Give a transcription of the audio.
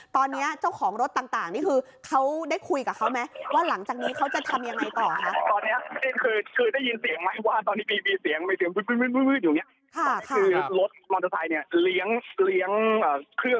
ตอนนี้เจ้าของรถต่างนี่คือ